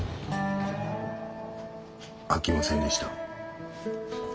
あきませんでした。